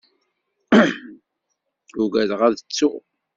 Ugadeɣ ad ttuɣ.